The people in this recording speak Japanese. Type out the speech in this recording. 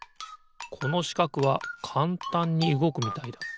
このしかくはかんたんにうごくみたいだ。